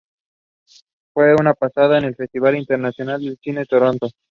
Fue pasada en el Festival Internacional de Cine de Toronto.